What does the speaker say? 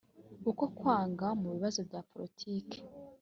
uko kw anga mu bibazo bya poritiki